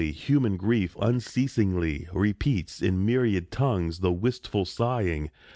human grief unceasingly Repeats in myriad tongues the wistful sighing.